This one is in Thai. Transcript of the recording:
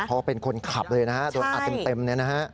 เพราะว่าเป็นคนขับเลยนะฮะโดนอัดเต็มเนี่ยนะฮะ